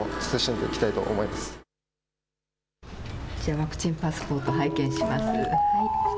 ワクチンパスポート拝見します。